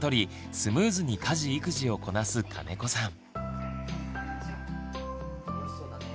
スムーズに家事育児をこなす金子さん。